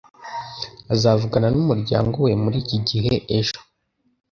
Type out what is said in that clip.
Azavugana numuryango we muri iki gihe ejo.